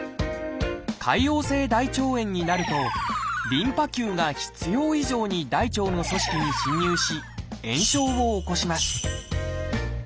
潰瘍性大腸炎になるとリンパ球が必要以上に大腸の組織に侵入し炎症を起こします